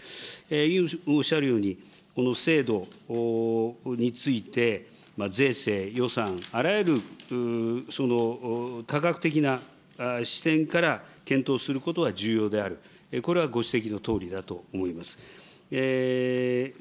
委員おっしゃるように、この制度について税制、予算、あらゆる多角的な視点から検討することは重要である、これはご指摘のとおりだと思います。